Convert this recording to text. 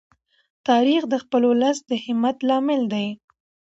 تاریخ د خپل ولس د همت لامل دی.